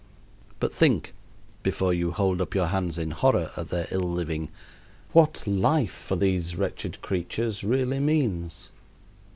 But think, before you hold up your hands in horror at their ill living, what "life" for these wretched creatures really means.